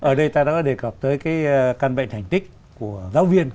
ở đây ta đã có đề cập tới cái căn bệnh thành tích của giáo viên